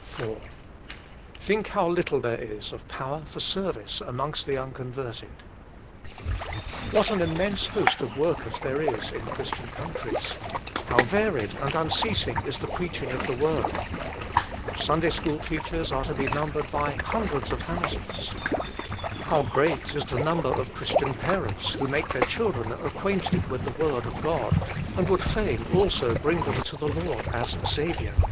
IV Think how little there is of power for service amongst the unconverted. What an immense host of workers there is in Christian countries. How varied and un ceasing is the preaching of the Word. Sunday school teachers are to be numbered by hundreds of thousands. How great is the number of Christian parents that make their children acquainted with the Word of God and would fain also bring them to the Lord as a Saviour.